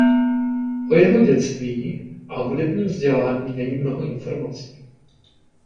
O jeho dětství a hudebním vzdělání není mnoho informací.